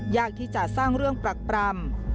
ยากที่จะสร้างเรื่องปรักปรำ